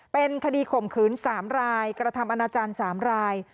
เป็นคดีข่มขืน๓รายกระทำอนาจารย์๓ราย